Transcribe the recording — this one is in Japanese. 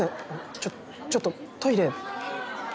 ちょちょっとトイレ。